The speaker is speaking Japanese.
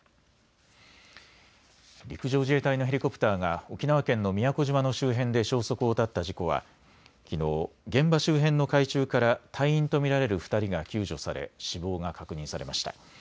陸上自衛隊のヘリコプターが沖縄県の宮古島の周辺で消息を絶った事故はきのう現場周辺の海中から隊員と見られる２人が救助され死亡が確認されました。